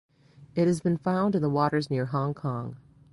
It has been found in the waters near Hong Kong.